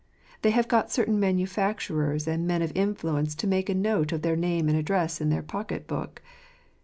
They have got certain manufacturers and men of influence to make a note of their name and address in their pocket book.